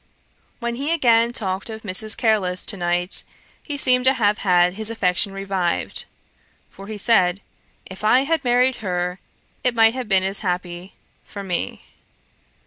When he again talked of Mrs. Careless to night, he seemed to have had his affection revived; for he said, 'If I had married her, it might have been as happy for me.